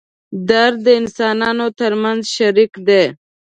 درد د انسانانو تر منځ شریک دی.